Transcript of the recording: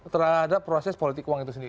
terhadap proses politik uang itu sendiri